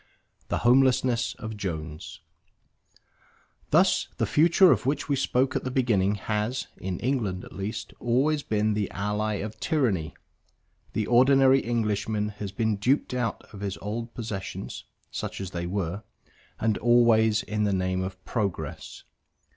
THE HOMELESSNESS OF JONES Thus the Future of which we spoke at the beginning has (in England at least) always been the ally of tyranny. The ordinary Englishman has been duped out of his old possessions, such as they were, and always in the name of progress.